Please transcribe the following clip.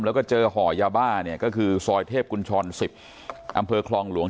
แล้วก็เจอห่อยาบ้าเนี่ยก็คือซอยเทพกุญชร๑๐อำเภอคลองหลวง